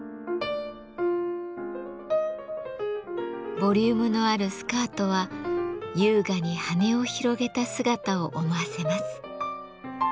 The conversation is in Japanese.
ボリュームのあるスカートは優雅に羽を広げた姿を思わせます。